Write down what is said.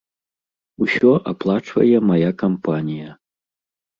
Усё аплачвае мая кампанія.